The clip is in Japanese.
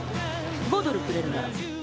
５ドルくれるなら。